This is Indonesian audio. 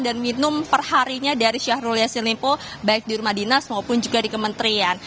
dan minum perharinya dari syahrul yasin limpo baik di rumah dinas maupun juga di kementerian